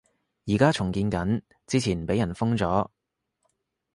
而家重建緊，之前畀人封咗